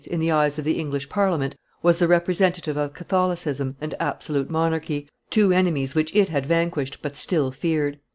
in the eyes of the English Parliament, was the representative of Catholicism and absolute monarchy, two enemies which it had vanquished, but still feared.